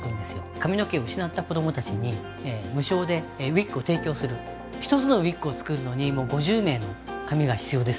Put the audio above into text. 髪の毛を失った子どもたちに無償でウィッグを提供する１つのウィッグを作るのにもう５０名の髪が必要ですね